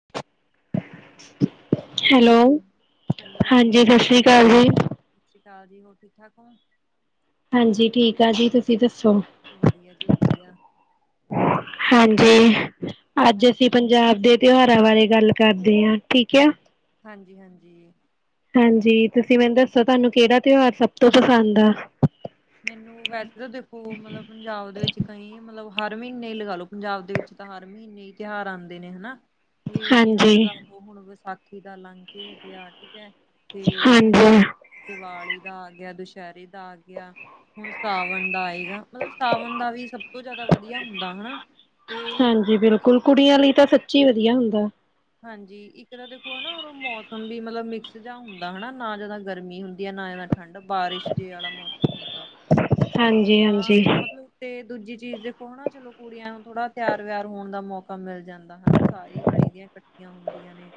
[unintelligible] Hello, ਹਾਂਜੀ ਸਾਸ੍ਰੀ ਸਤਿ ਕਾਲ ਜੀ ਸ੍ਰੀ ਅਕਾਲ ਸਸ੍ਰੀ ਕਾਲ ਜੀ, ਹੋਰ ਠੀਕ [unintelligible] ਹਾਂਜੀ ਠੀਕ ਆ ਜੀ, ਤੁਸੀਂ ਦੱ ਵਦੀਆ ਜੀ ਵਦੀਆ। ਤੇ ਅੱਜ ਅਸੀਂ ਪੰਜਾਬ ਦੇ ਤੇਓਹਾਰਾਂ ਬਾਰੇ ਗੱਲ ਕਰਦੇ ਆਂ, ਠੀਕ ਐ। ਹਾਂਜੀ, ਹਾਂਜੀ। ਹਾਂਜੀ, ਤੁਸੀਂ ਮੈਨ ਦੱਸੋ ਤੁਹਾਨੂੰ ਕੇੜਾ ਤੇਓਹਾਰ ਸਬ ਤੋਂ ਪਸੰਦ ਆ? ਮੈਨੂੰ ਵੈਸੇ ਤਾਂ ਦੇਖੋ, ਮਲਬ ਪੰਜਾਬ ਦੇ ਵਿੱਚ ਕਈਂ ਮਲਬ ਹਰ ਮ੍ਹਿਨੇ ਈ ਲਗਾ ਲੋ ਪੰਜਾਬ ਦੇ ਵਿੱਚ ਤਾਂ ਹਰ ਮ੍ਹਿਨੇ ਈ ਤੇਹਾਰ ਆਂਦੇ ਨੇ ਹਨਾ। ਵੀ ਜੀਂਵੇ ਹਾਂਜੀ ਲਗਾ ਲੋ ਹੁਣ ਵਸਾਖੀ ਦਾ ਲੰਘ ਕੇ ਹਟੇਆ ਠੀਕ ਐ, ਤੇ, ਹਨਾ ਹਾਂਜੀ। ਦੀਵਾਲੀ਼ ਦਾ ਆ ਗੇਆ ਦਸੈ਼ਰੇ ਦਾ ਆ ਗੇਆ ਹੁਣ ਸਾਵਣ ਦਾ ਆਏਗਾ, ਮਤਲਬ ਸਾਵਣ ਦਾ ਵੀ ਸਬ ਤੋਂ ਜਾਦਾ ਵਦੀਆ ਹੁੰਦਾ ਹਣਾ। ਹਾਂਜੀ ਬਿਲਕੁਲ, ਕੁੜੀਆਂ ਲਈ ਤਾਂ ਸੱਚੀ ਵਦੀਆ ਹੁੰਦਾ। ਹਾਂਜੀ, ਇੱਕ ਤਾਂ ਦੇਖੋ ਹਨਾ ਓਦੋਂ ਮੌਸਮ ਵੀ ਮਤਲਬ ਮਿਕਸ ਜਾ ਹੁੰਦਾ ਹਣਾ ਨਾ ਜਾ਼ਦਾ ਗਰਮੀ ਹੁੰਦੀ ਆ [unintelligible] ਠੰਡ ਬਾਰਿਸ਼ ਜੇ ਆਲਾ਼ ਮੌਸਮ ਹੁੰਦਾ। ਹਾਂਜੀ ਤਾਂ, ਹਾਂਜੀ। ਮਤਲਬ ਤੇ ਦੂਜੀ ਚੀਜ਼ ਦੇਖੋ ਹਣਾ ਚਲੋ ਕੁੜੀਆਂ ਨੂੰ ਥੋੜਾ ਤੇਆਰ-ਵੇਆਰ ਹੋਣ ਦਾ ਮੌਕਾ ਮੇਲ਼ ਜਾਂਦਾ, ਹਣਾ ਸਾਰੀ ਗਲੀ਼ ਦੀਆਂ ਕ ਹੁੰਦੀਆਂ ਨੇ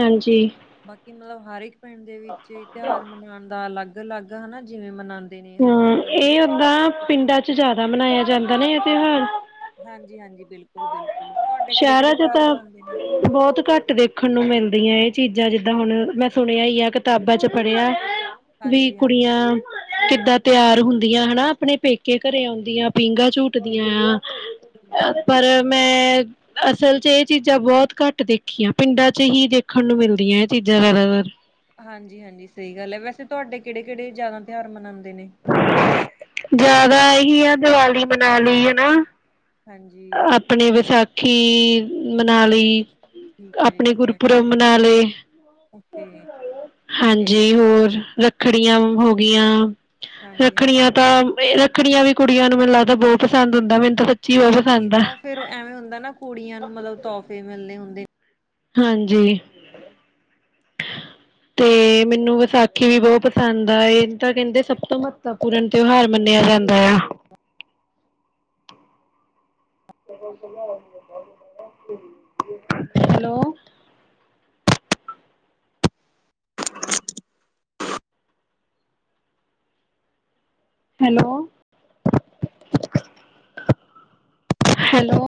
ਹਾਂਜੀ। ਬਾਕੀ ਮਲਬ, ਹਰ ਏਕ ਪਿੰਡ ਦੇ ਵਿੱਚ ਏ ਤੇਹਾਰ ਮਨਾਣ ਦਾ ਅਲੱਗ ਅਲੱਗ ਹਨਾ ਜਿਵੇਂ ਮਨਾਂ ਹੂੰ, ਏ ਓਦਾਂ ਪਿੰਡਾਂ ਚ ਜਾਦਾ ਮਨਾਏਆ ਜਾਂਦਾ ਨਾ ਏ ਤੇਓਹਾਰ? ਹਾਂਜੀ, ਹਾਂਜੀ। ਬਿਲਕੁਲ ਬਿਲਕੁਲ ਤੁਹਾਡੇ ਕਿਹੜੇ ਸ਼ਹਿਰਾਂ ਕਿਹੜੇ ਚ ਤਿਉਹਾਰ ਤਾਂ ਮਨਾਉਂਦੇ ਨੇ ਬਹੁਤ ਘੱਟ ਦੇਖਣ ਨੂੰ ਮਿਲਦੀਆਂ ਇਹ। ਚੀਜ਼ਾਂ ਜਿੱਦਾਂ ਹੁਣ ਮੈਂ ਸੁਣਿਆ ਹੀ ਆ ਕਿਤਾਬਾਂ ਚ ਪੜ੍ਹਿਆ। ਵੀ ਹਾਂਜੀ ਹਾਂਜੀ ਕੁੜੀਆਂ ਕਿੱਦਾਂ ਤਿਆਰ ਹੁੰਦੀਆਂ ਹਨਾ ਆਪਣੇ ਪੇਕੇ ਘਰੇ ਆਉਂਦੀਆਂ। ਪੀਂਘਾਂ ਝੂਟਦੀਆਂ ਬਿਲਕੁਲ ਆ ਬਿਲਕੁਲ ਪਰ ਬਿਲਕੁਲ ਮੈਂ। ਅਸਲ ਚ ਇਹ ਚੀਜ਼ਾਂ ਬਹੁਤ ਘੱਟ ਦੇਖੀਆਂ ਪਿੰਡਾਂ ਚ ਹੀ ਦੇਖਣ ਨੂੰ ਮਿਲਦੀਆਂ ਇਹ ਚੀਜ਼ਾਂ ਜ਼ਿਆਦਾਤਰ। ਹਾਂਜੀ ਹਾਂਜੀ ਸਹੀ ਗੱਲ ਹੈ ਵੈਸੇ ਤੁਹਾਡੇ ਕਿਹੜੇ ਕਿਹੜੇ ਜ਼ਿਆਦਾ ਤਿਉਹਾਰ ਮਨਾਉਂਦੇ ਨੇ। ਜ਼ਿਆਦਾ ਇਹੀ ਆ ਦੀਵਾਲੀ ਮਨਾ ਲਈ ਹਨਾ। ਹਾਂਜੀ ਆਪਣੀ ਵਿਸਾਖੀ ਮਨਾਲੀ। ਠੀਕ ਹੈ ਜੀ ਆਪਣੇ ਠੀਕ ਹੈ ਗੁਰਪੁਰਬ ਮਨਾ ਲਏ। ਓਕੇ ਇਹ ਹਾਂਜੀ ਹੋਰ ਰੱਖੜੀਆਂ ਹੋ ਗਈਆਂ। ਹਾਂਜੀ ਰੱਖੜੀਆਂ ਹਾਂਜੀ ਤਾਂ ਰੱਖੜੀਆਂ ਵੀ ਕੁੜੀਆਂ ਨੂੰ ਮੈਨੂੰ ਲੱਗਦਾ ਬਹੁਤ ਪਸੰਦ ਹੁੰਦਾ ਮੈਨੂੰ। ਤਾਂ ਸੱਚੀ ਬਹੁਤ ਹਾਂਜੀ ਪਸੰਦ ਆ ਉਹ ਫੇਰ ਉਹ ਐਵੇਂ ਹੁੰਦਾ ਨਾ ਕੁੜੀਆਂ ਨੂੰ ਮਤਲਬ ਤੋਹਫ਼ੇ ਮਿਲਣੇ ਹੁੰਦੇ ਨੇ। ਹਾਂਜੀ। ਤੇ ਮੈਨੂੰ ਵਿਸਾਖੀ ਵੀ ਬਹੁਤ ਪਸੰਦ ਆ ਇਹ ਤਾਂ ਕਹਿੰਦੇ ਸਭ ਤੋਂ ਮਹੱਤਵਪੂਰਨ ਤਿਉਹਾਰ ਮੰਨੇ। ਕਿਹਾ ਜਾਂਦਾ ਆ। [unintelligible] ਹੈਲੋ। ਹੈਲੋ। ਹੈਲੋ।